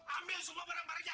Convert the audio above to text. ambil semua barang barangnya